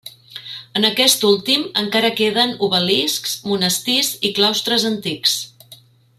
En aquest últim encara queden obeliscs, monestirs i claustres antics.